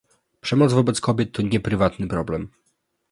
Przemoc wobec kobiet to nie prywatny problem